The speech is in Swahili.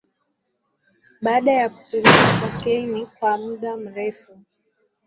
Baada ya kutumia cocaine kwa muda mrefu